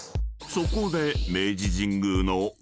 ［そこで］